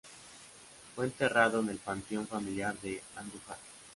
Fue enterrado en el panteón familiar de Andújar.